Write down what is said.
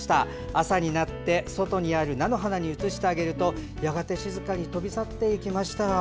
朝になって外にある菜の花に移してあげるとやがて静かに飛び去っていきました。